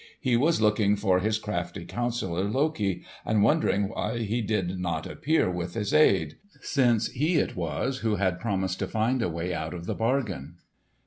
He was looking for his crafty counsellor, Loki, and wondering why he did not appear with his aid; since he it was who had promised to find a way out of the bargain.